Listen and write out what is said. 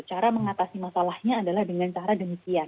cara mengatasi masalahnya adalah dengan cara demikian